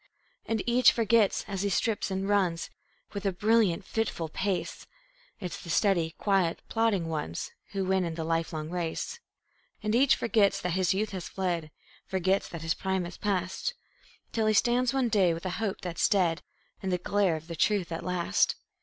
And each forgets, as he strips and runs With a brilliant, fitful pace, It's the steady, quiet, plodding ones Who win in the lifelong race. And each forgets that his youth has fled, Forgets that his prime is past, Till he stands one day, with a hope that's dead, In the glare of the truth at last.